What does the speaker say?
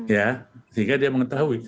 sehingga dia mengetahui